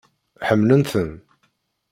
Ḥemmlen-ten?